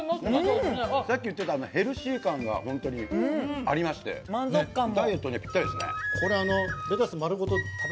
さっき言ってたヘルシー感が本当にありましてダイエットにはぴったりですね。